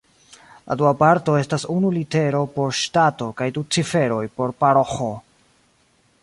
La dua parto estas unu litero por ŝtato kaj du ciferoj por paroĥo.